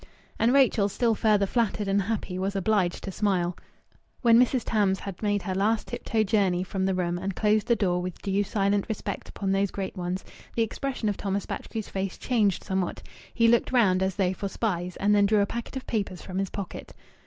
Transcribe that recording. And Rachel, still further flattered and happy, was obliged to smile. When Mrs. Tams had made her last tiptoe journey from the room and closed the door with due silent respect upon those great ones, the expression of Thomas Batchgrew's face changed somewhat; he looked round, as though for spies, and then drew a packet of papers from his pocket.